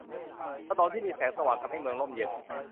ถนนที่มีแสงสว่างทำให้เมืองร่มเย็น